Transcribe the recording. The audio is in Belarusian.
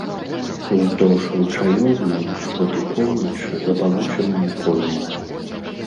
Уздоўж ручаёў на ўсход і поўнач забалочаная пойма.